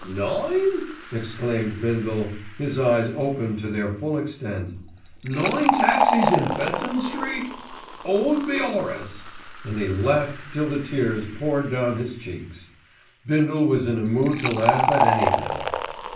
"Nine?" exclaimed Bindle, his eyes open to their full extent. "Nine taxis in Fenton Street? 'Old be 'Orace!" and he laughed till the tears poured down his cheeks. Bindle was in a mood to laugh at anything.